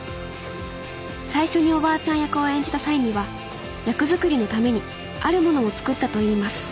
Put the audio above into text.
最初におばあちゃん役を演じた際には役作りのためにあるものを作ったといいます。